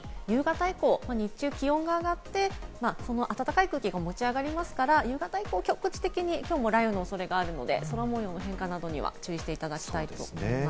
特に夕方以降、日中気温が上がって、暖かい空気が持ち上がりますから夕方以降、局地的にきょうも雷雨の恐れがあるので、空模様の変化などには注意していただきたいと思います。